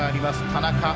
田中。